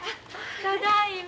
ただいま。